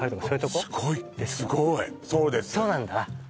すごいすごーいそうですそうなんだ？